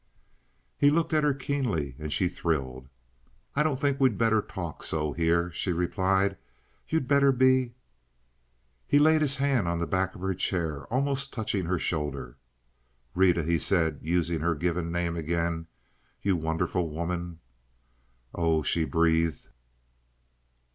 He looked at her keenly, and she thrilled. "I don't think we'd better talk so here," she replied. "You'd better be—" He laid his hand on the back of her chair, almost touching her shoulder. "Rita," he said, using her given name again, "you wonderful woman!" "Oh!" she breathed.